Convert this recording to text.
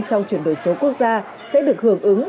trong chuyển đổi số quốc gia sẽ được hưởng ứng